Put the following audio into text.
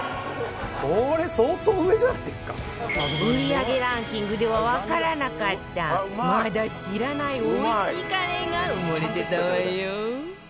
売り上げランキングではわからなかったまだ知らないおいしいカレーが埋もれてたわよ